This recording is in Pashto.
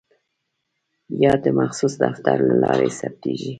یا د مخصوص دفتر له لارې ثبتیږي.